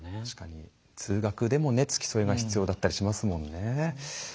通学でも付き添いが必要だったりしますもんね。